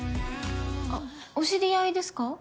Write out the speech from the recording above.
あっお知り合いですか？